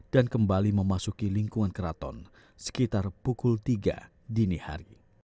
dan kembali memasuki lingkungan keraton sekitar pukul tiga dini hari